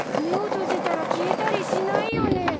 目を閉じたら消えたりしないよね？